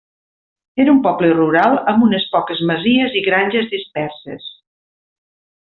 Era un poble rural amb unes poques masies i granges disperses.